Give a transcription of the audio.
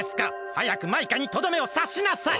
はやくマイカにとどめをさしなさい！